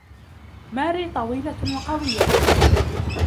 ماري طويلة وقويّة.